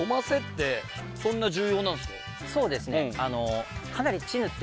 そうですね。